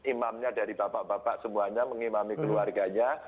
imamnya dari bapak bapak semuanya mengimami keluarganya